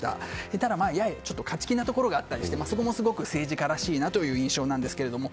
ただ、やや勝ち気なところがあったりして、そこもすごく政治家らしいなという印象なんですけれども。